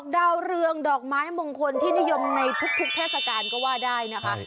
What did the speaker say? ดาวเรืองดอกไม้มงคลที่นิยมในทุกเทศกาลก็ว่าได้นะคะ